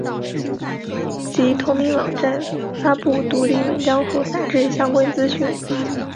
其同名网站发布独立文章和杂志相关资讯。